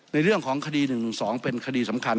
ในเรื่องของคดี๑๑๒เป็นคดีสำคัญ